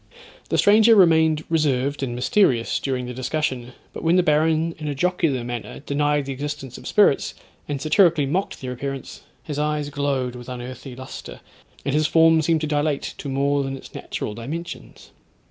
The stranger remained reserved and mysterious during the discussion, but when the baron in a jocular manner denied the existence of spirits, and satirically mocked their appearance, his eyes glowed with unearthly lustre, and his form seemed to dilate to more than its natural dimensions.